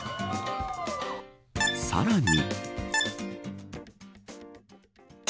さらに。